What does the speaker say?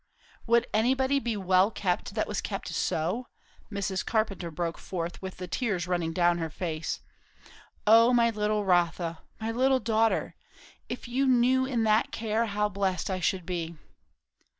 '" "Would anybody be well kept that was kept so?" Mrs. Carpenter broke forth, with the tears running down her face. "O my little Rotha! my little daughter! if I knew you in that care, how blessed I should be!"